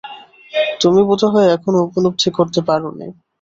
তুমি বোধহয় এখনও উপলব্ধি করতে পারোনি।